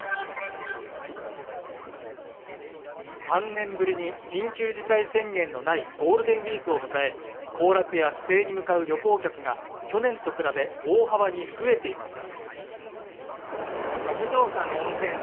３年ぶりに緊急事態宣言のないゴールデンウィークを迎え行楽や帰省に向かう旅行客が去年と比べ大幅に増えています